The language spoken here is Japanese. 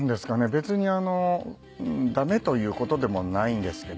別に駄目という事でもないんですけども。